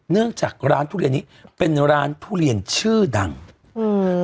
เนื่องจากร้านทุเรียนนี้เป็นร้านทุเรียนชื่อดังอืม